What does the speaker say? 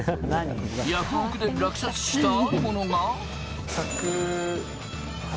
ヤフオクで落札した、あるものが。